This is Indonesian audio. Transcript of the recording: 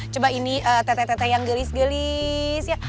coba ini teteh yang gelis gelis ya